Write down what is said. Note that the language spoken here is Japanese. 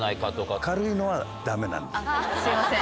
すいません。